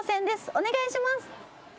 お願いします。